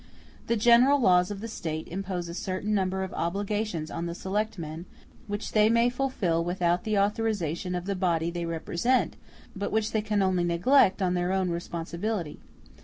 *c The general laws of the State impose a certain number of obligations on the selectmen, which they may fulfil without the authorization of the body they represent, but which they can only neglect on their own responsibility.